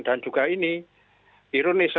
dan juga ini ironis